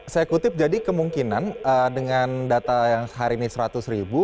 saya kutip jadi kemungkinan dengan data yang hari ini seratus ribu